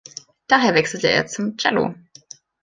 Daher wechselte er zum Cello.